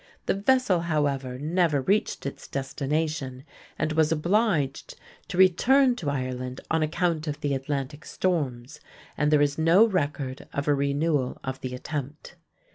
The vessel, however, never reached its destination and was obliged to return to Ireland on account of the Atlantic storms, and there is no record of a renewal of the attempt.